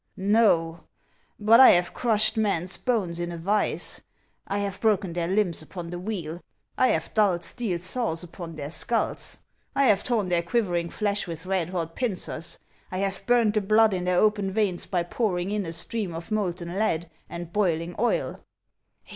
" No ; but I have crushed meii's bones in a vise ; I have broken their limbs upon the wheel ; I have dulled steel saws upon their skulls ; I have torn their quivering flesh with red hot pincers ; I have burned the blood in their open veins by pouring in a stream of molten lead and boiling oil."